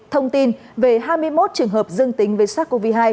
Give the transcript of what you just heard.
thông tin về hai mươi một trường hợp dương tính với sars cov hai